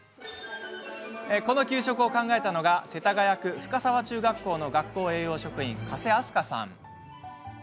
この給食を考えたのが世田谷区深沢中学校の学校栄養職員加瀬あす香さん。